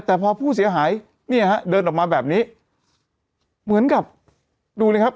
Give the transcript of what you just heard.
แต่พอผู้เสียหายเนี่ยฮะเดินออกมาแบบนี้เหมือนกับดูนะครับ